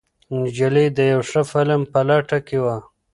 نجلۍ د یو ښه فلم په لټه کې وه.